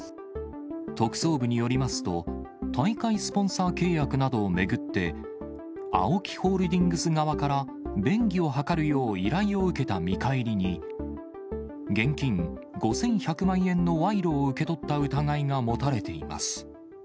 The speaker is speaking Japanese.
特捜部によりますと、大会スポンサー契約などを巡って、ＡＯＫＩホールディングス側から便宜を図るよう依頼を受けた見返りに、現金５１００万円の賄賂を受け取った疑いが持たれています。